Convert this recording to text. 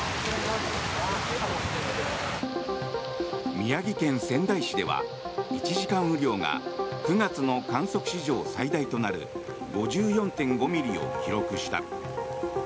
宮城県仙台市では１時間雨量が９月の観測史上最大となる５４．５ミリを記録した。